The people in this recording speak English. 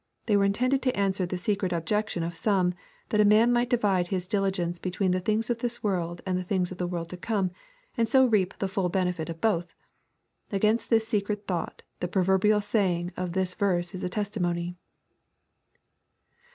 They were intended to answer the secret objection of some, that a man might divide his diligence between the things of this world and the things of the world to come, and so reap the full benefit of both. Against this secret thought the proverbial saying of thii verse is a testimony.